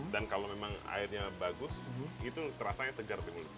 dan kalau memang airnya bagus itu rasanya segar di mulut